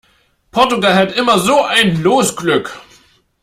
Portugal hat immer so ein Losglück!